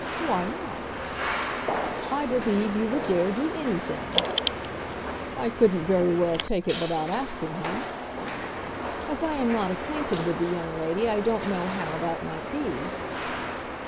"Why not?" "I believe you would dare do anything." "I couldn't very well take it without asking him." "As I am not acquainted with the young lady I don't know how that might be."